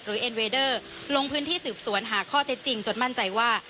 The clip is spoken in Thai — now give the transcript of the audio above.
เอ็นเวเดอร์ลงพื้นที่สืบสวนหาข้อเท็จจริงจนมั่นใจว่า